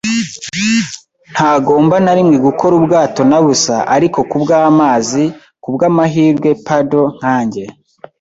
ntagomba na rimwe gukora ubwato na busa ariko kubwamazi. Kubwamahirwe, paddle nkanjye